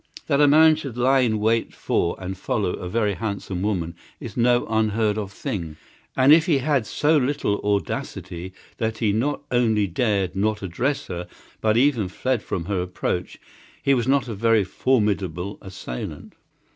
That a man should lie in wait for and follow a very handsome woman is no unheard of thing, and if he had so little audacity that he not only dared not address her, but even fled from her approach, he was not a very formidable assailant.